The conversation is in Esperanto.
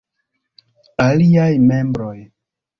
Aliaj membroj.